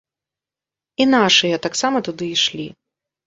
І нашыя таксама туды ішлі.